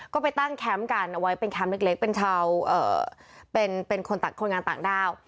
ก็ไปตั้งแคมป์กันเอาไว้เป็นแคมป์เล็กเป็นชาวเป็นคนงานต่างด้าว